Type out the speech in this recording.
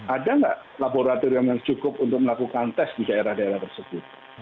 ada nggak laboratorium yang cukup untuk melakukan tes di daerah daerah tersebut